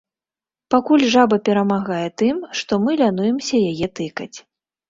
Пакуль жаба перамагае тым, што мы лянуемся яе тыкаць.